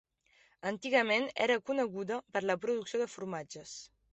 Antigament era coneguda per la producció de formatges.